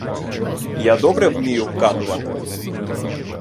Я добре вмію вгадувати.